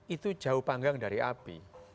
itu jauh panggang dari api